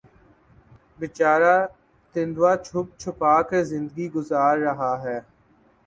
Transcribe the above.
بیچارہ تیندوا چھپ چھپا کر زندگی گزار رہا تھا